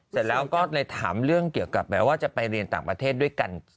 เสร็จแล้วก็เลยถามเรื่องเกี่ยวกับแบบว่าจะไปเรียนต่างประเทศด้วยกัน